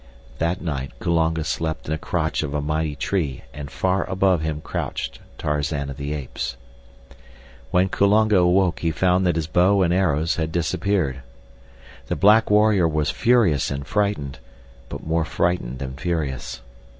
That night Kulonga slept in the crotch of a mighty tree and far above him crouched Tarzan of the Apes. When Kulonga awoke he found that his bow and arrows had disappeared. The black warrior was furious and frightened, but more frightened than furious.